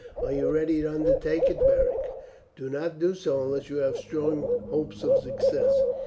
"Are you ready to undertake it, Beric? Do not do so unless you have strong hopes of success.